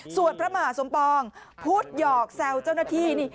ส่วนพระมหาสมปองพูดหยอกแซวเจ้าหน้าที่นี่